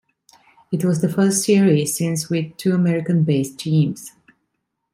It was the first series since with two American-based teams.